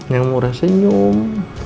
yang murah senyum ya ma